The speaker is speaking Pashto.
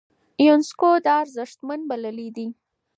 يونسکو دا ارزښتمن بللی دی.